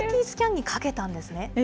ＣＴスキャンにかけたんですね。